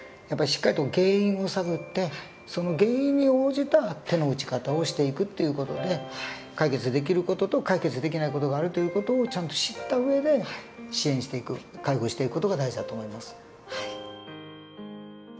やっぱりしっかりと原因を探ってその原因に応じた手の打ち方をしていくっていう事で解決できる事と解決できない事があるという事をちゃんと知った上で支援していく介護していく事が大事だと思います。